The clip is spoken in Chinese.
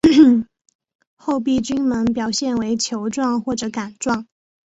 厚壁菌门表现为球状或者杆状。